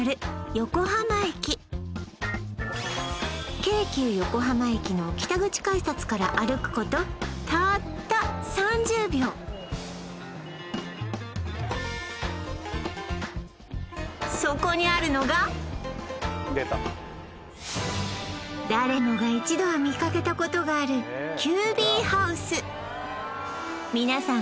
横浜駅京急横浜駅の北口改札から歩くことたった３０秒そこにあるのが出た誰もが一度は見かけたことがあるＱＢハウス皆さん